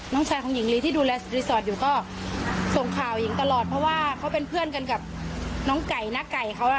น้องชายของหญิงลีที่ดูแลรีสอร์ทอยู่ก็ส่งข่าวหญิงตลอดเพราะว่าเขาเป็นเพื่อนกันกับน้องไก่น้าไก่เขา